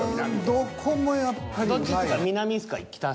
どこもやっぱりうまい。